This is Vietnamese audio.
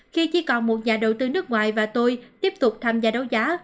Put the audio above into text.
khi chỉ còn một nhà đầu tư nước ngoài và tôi tiếp tục tham gia đấu giá